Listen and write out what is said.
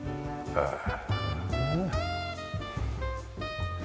へえ。